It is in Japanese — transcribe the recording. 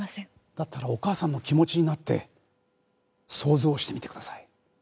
だったらお母さんの気持ちになって想像してみてください。